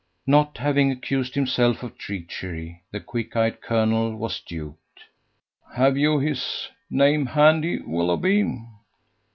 Not having accused himself of treachery, the quick eyed colonel was duped. "Have you his name handy, Willoughby?"